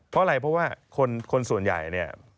เพราะอะไรเพราะว่าคนส่วนใหญ่เนี่ย